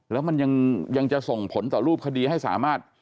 แล้วมันยังจะส่งผลต่อรูปคดีให้สามารถ